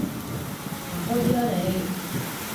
行開啲啦你